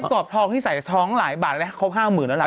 แค่กรอบทองที่ใส่ท้องหลายบาทแล้วครบห้าหมื่นแล้วแหละ